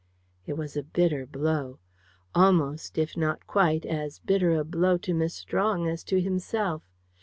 It was a bitter blow. Almost, if not quite, as bitter a blow to Miss Strong as to himself.